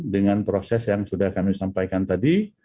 dengan proses yang sudah kami sampaikan tadi